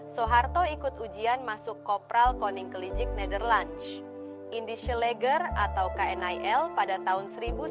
suharto ikut ujian masuk kopral koninklijik nederlands indische lager atau knil pada tahun seribu sembilan ratus empat puluh